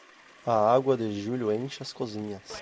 A água de julho enche as cozinhas.